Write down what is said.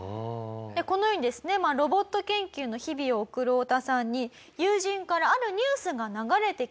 このようにですねロボット研究の日々を送るオオタさんに友人からあるニュースが流れてきました。